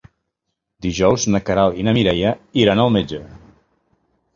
Dijous na Queralt i na Mireia iran al metge.